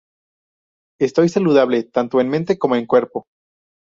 Estoy saludable tanto en mente como en cuerpo.